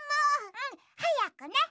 うんはやくね。